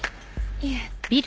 いえ。